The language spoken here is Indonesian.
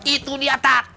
itu dia tat